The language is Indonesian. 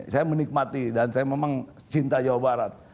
saya menikmati dan saya memang cinta jawa barat